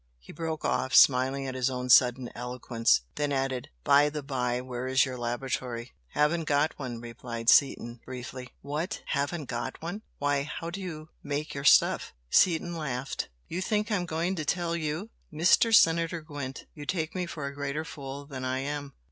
He broke off, smiling at his own sudden eloquence, then added "By the by, where is your laboratory?" "Haven't got one!" replied Seaton, briefly. "What! Haven't got one! Why, how do you make your stuff?" Seaton laughed. "You think I'm going to tell you? Mr. Senator Gwent, you take me for a greater fool than I am!